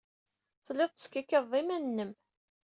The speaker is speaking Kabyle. Tellid teskikkiḍed iman-nnem.